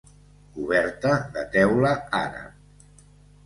Coberta de teula àrab.